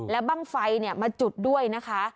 และบ้างไฟคลิปนี้มาจุดนะ